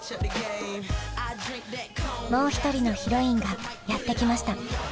もう一人のヒロインがやって来ました。